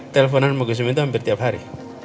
saya telponan sama gusim itu hampir tiap hari